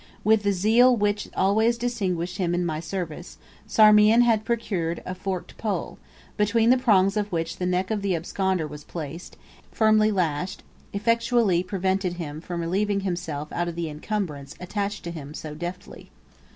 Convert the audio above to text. With the zeal which always distinguished him in my service, Sarmean had procured a forked pole, between the prongs of which the neck of the absconder was placed; and a cross stick, firmly lashed, effectually prevented him from relieving himself of the incumbrance attached to him so deftly.